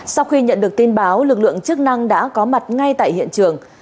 sau khi nhận được tin báo lực lượng chức năng đã có mặt ngay tại hiện trường